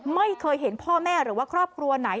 ไม่เคยเห็นพ่อแม่หรือว่าครอบครัวไหน